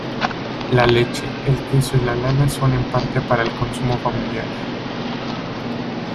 La leche, el queso y lana son en parte para el consumo familiar.